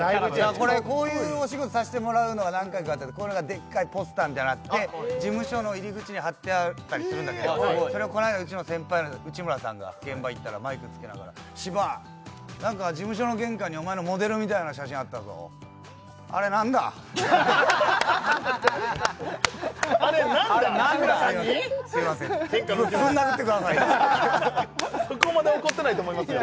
こういうお仕事させてもらうのは何回かあったけどこれがでっかいポスターみたいになって事務所の入り口に張ってあったりするんだけどそれをこの間うちの先輩の内村さんが現場行ったらマイクつけながら芝事務所の玄関にお前のモデルみたいな写真あったぞあれ何だ？って言われてあれ何だ？すいませんぶん殴ってくださいって言ってそこまで怒ってないと思いますよ